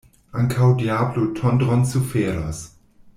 Ankaŭ diablo tondron suferos.